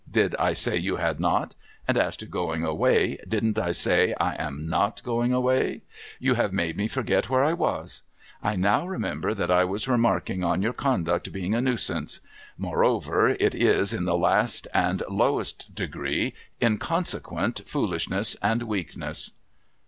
Did I say you had not? And as to going away, didn't I say I am not going away ? You have made me forget where I was. I now remember that I was remarking on your conduct being a Nuisance. Moreover, it is in the last and lowest degree inconsequent foolishness and weakness.'